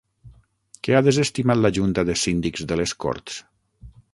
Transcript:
Què ha desestimat la Junta de síndics de les Corts?